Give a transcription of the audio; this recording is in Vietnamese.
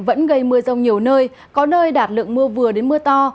vẫn gây mưa rông nhiều nơi có nơi đạt lượng mưa vừa đến mưa to